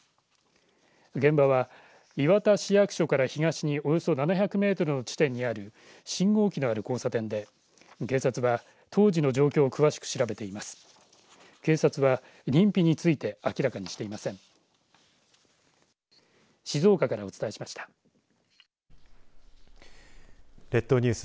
現場は磐田市役所から東におよそ７００メートルの地点にある信号機のある交差点で警察は、当時の状況を詳しく調べています。